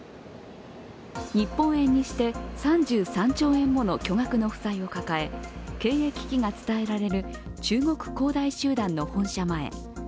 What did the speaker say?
日本円にして３３兆円もの巨額の負債を抱え経営危機が伝えられる中国恒大集団の本社前。